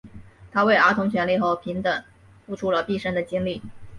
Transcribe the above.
他为儿童权利和平等付出了毕生的精力。